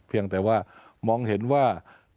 เพียงแต่ว่ามองเห็นว่า